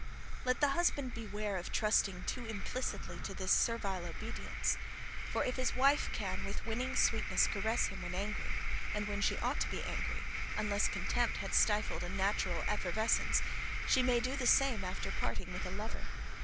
Let the husband beware of trusting too implicitly to this servile obedience; for if his wife can with winning sweetness caress him when angry, and when she ought to be angry, unless contempt had stifled a natural effervescence, she may do the same after parting with a lover.